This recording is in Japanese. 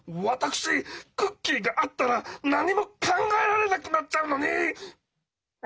私クッキーがあったら何も考えられなくなっちゃうのに！